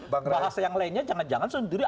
bahasa yang lainnya jangan jangan sendiri